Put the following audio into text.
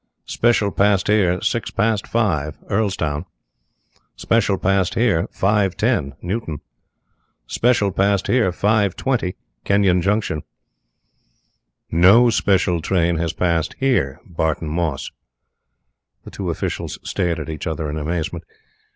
"Special passed here six past five. Earlstown." "Special passed here 5:10. Newton." "Special passed here 5:20. Kenyon Junction." "No special train has passed here. Barton Moss." The two officials stared at each other in amazement.